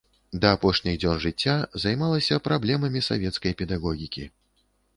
Да апошніх дзён жыцця займалася праблемамі савецкай педагогікі.